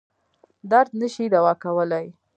درد نه شي دوا کولای.